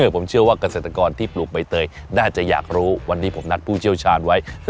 ผมเชื่อว่าเกษตรกรที่ปลูกใบเตยน่าจะอยากรู้วันนี้ผมนัดผู้เชี่ยวชาญไว้